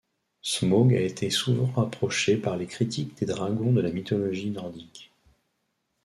Smaug a été souvent rapproché par les critiques des dragons de la mythologie nordique.